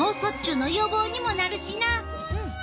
うん。